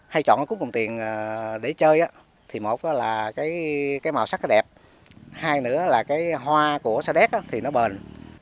hay chọn cút cùng tiền để chơi một là màu sắc đẹp hai nữa là hoa của sa đếc thì nó bền